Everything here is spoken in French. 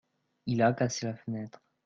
Il a cassé la fenêtre.